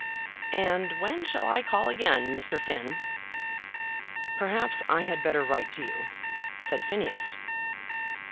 "And when shall I call again, Mr. Finn?" "Perhaps I had better write to you," said Phineas.